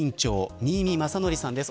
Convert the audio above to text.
新見正則さんです。